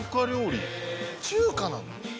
中華なの？